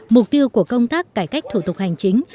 mục tiêu của công tác cải cách thủ tục hành chính